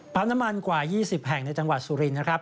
น้ำมันกว่า๒๐แห่งในจังหวัดสุรินนะครับ